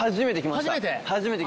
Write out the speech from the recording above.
初めて？